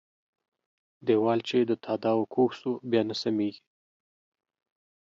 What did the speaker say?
ديوال چې د تاداوه کوږ سو ، بيا نه سمېږي.